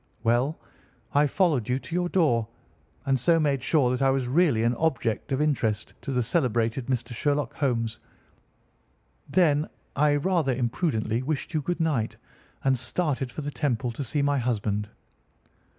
"Well, I followed you to your door, and so made sure that I was really an object of interest to the celebrated Mr. Sherlock Holmes. Then I, rather imprudently, wished you good night, and started for the Temple to see my husband.